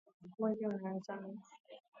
Mwezi unaangaza